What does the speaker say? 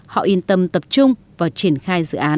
họ yên tâm tập trung vào triển khai dự án